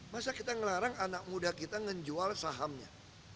masa kita ngelarang anak muda kita menjual sahamnya